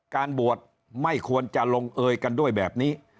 การบวชไม่ควรจะลงเอยกันด้วยแบบนี้